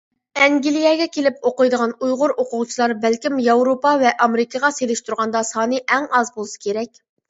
ئەنگلىيەگە كېلىپ ئوقۇيدىغان ئۇيغۇر ئوقۇغۇچىلار بەلكىم ياۋروپا ۋە ئامېرىكىغا سېلىشتۇرغاندا سانى ئەڭ ئاز بولسا كېرەك.